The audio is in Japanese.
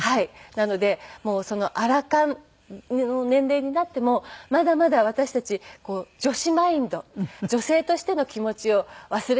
なのでもうそのアラ還の年齢になってもまだまだ私たち女子マインド女性としての気持ちを忘れないでいこうと。